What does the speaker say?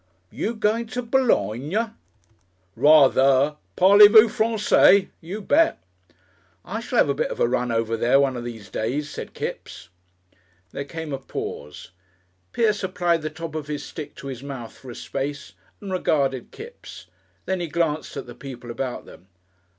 "You going t' Boologne?" "Ra ther. Parley vous Francey. You bet." "I shall 'ave a bit of a run over there one of these days," said Kipps. There came a pause. Pierce applied the top of his stick to his mouth for a space and regarded Kipps. Then he glanced at the people about them.